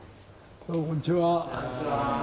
こんにちは。